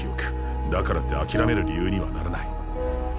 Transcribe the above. だからってあきらめる理由にはならない。